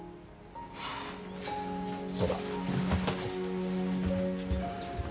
そうだ。